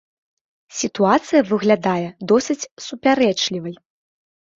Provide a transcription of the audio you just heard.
Сітуацыя выглядае досыць супярэчлівай.